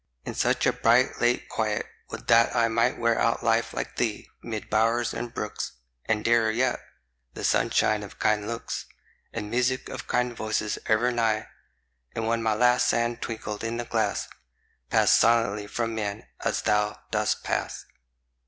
In such a bright, late quiet, would that I Might wear out life like thee, mid bowers and brooks, And, dearer yet, the sunshine of kind looks, And music of kind voices ever nigh; And when my last sand twinkled in the glass, Pass silently from men, as thou dost pass.